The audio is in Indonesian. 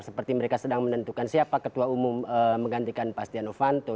seperti mereka sedang menentukan siapa ketua umum menggantikan pastiano vanto